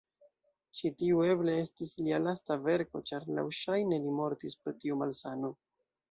Ĉi-tiu eble estis lia lasta verko ĉar laŭŝajne li mortis pro tiu malsano.